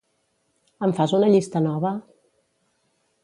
Em fas una llista nova?